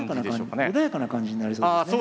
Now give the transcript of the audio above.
穏やかな感じになりそうですね。